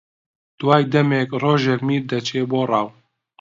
دوای دەمێک ڕۆژێک میر دەچێ بۆ ڕاو